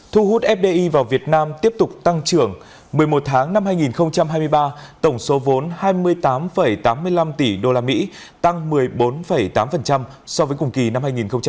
thu hút fdi vào việt nam tiếp tục tăng trưởng một mươi một tháng năm hai nghìn hai mươi ba tổng số vốn hai mươi tám tám mươi năm tỷ usd tăng một mươi bốn tám so với cùng kỳ năm hai nghìn hai mươi hai